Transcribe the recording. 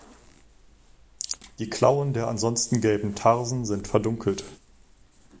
Die Klauen der ansonsten gelben Tarsen sind verdunkelt.